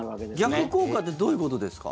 逆効果ってどういうことですか？